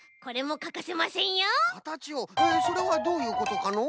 かたちをそれはどういうことかのう？